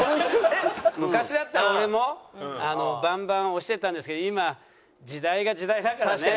昔だったら俺もバンバン押してたんですけど今時代が時代だからね。